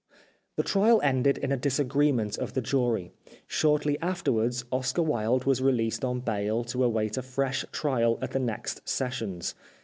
The trial ended in a disagreement of the jury. Shortly afterwards Oscar Wilde was released on bail to await a fresh trial at the next sessions.